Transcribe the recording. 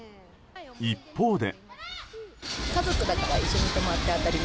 一方で。